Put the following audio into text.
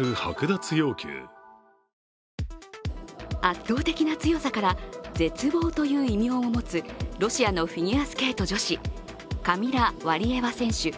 圧倒的な強さから「絶望」という異名を持つロシアのフィギュアスケート女子、カミラ・ワリエワ選手。